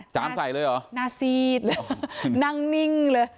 จามใส่เลยเหรอหน้าซีสนั่งนิ่งเลย